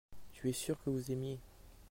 tu es sûr que vous aimiez.